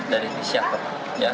dari di syahir